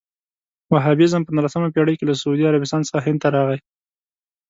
وهابیزم په نولسمه پېړۍ کې له سعودي عربستان څخه هند ته راغی.